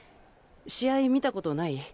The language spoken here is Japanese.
試合見たことない？